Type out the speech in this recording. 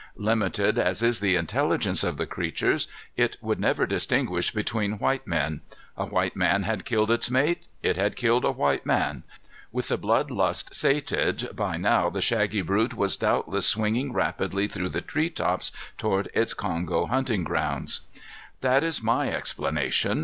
Limited as is the intelligence of the creatures, it would never distinguish between white men. A white man had killed its mate. It had killed a white man. With the blood lust sated, by now the shaggy brute was doubtless swinging rapidly through the treetops toward its Kongo hunting grounds. That is my explanation.